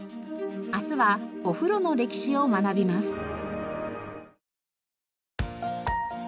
明日はお風呂の歴史を学びます。